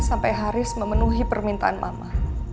sampai haris memenuhi permintaan mama